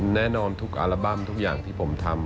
แน่นอนทุกอัลบั้มทุกอย่างที่ผมทำ